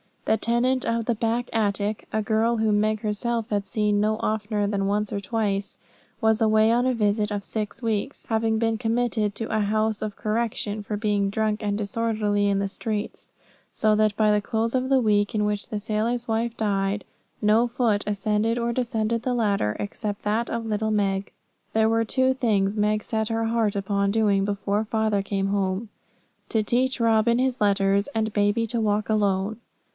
The tenant of the back attic, a girl whom Meg herself had seen no oftener than once or twice, was away on a visit of six weeks, having been committed to a House of Correction for being drunk and disorderly in the streets; so that by the close of the week in which the sailor's wife died no foot ascended or descended the ladder, except that of little Meg. There were two things Meg set her heart upon doing before father came home: to teach Robin his letters, and baby to walk alone.